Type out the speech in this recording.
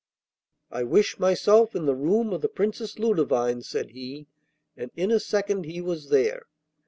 'I wish myself in the room of the Princess Ludovine,' said he, and in a second he was there.